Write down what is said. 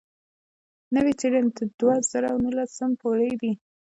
نوې څېړنه تر دوه زره نولسم پورې ده.